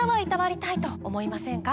皆さん。と思いませんか？